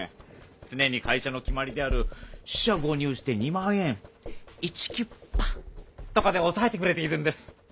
つねに会社の決まりである四捨五入して２万円イチキュッパ！とかでおさえてくれているんです！